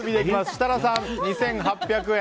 設楽さんは２８００円。